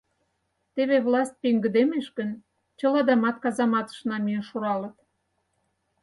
— Теве власть пеҥгыдемеш гын, чыландамат казаматыш намиен шуралыт.